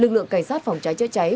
lực lượng cảnh sát phòng cháy cháy cháy